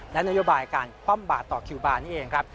และนโยบายการป้อมบาทต่อคิวบาร์นี่เองครับ